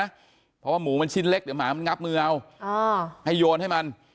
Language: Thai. เพราะว่าหมูมันชิ้นเล็กเดี๋ยวหมามันงับมือเอาให้โยนให้มัน